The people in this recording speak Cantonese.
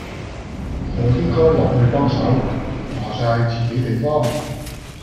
我應該落去幫手，話哂自己地方